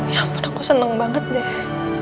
ya ampun aku seneng banget deh